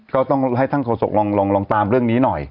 ก็ต้องให้ท่านโฆษกลองตามเรื่องนี้หน่อย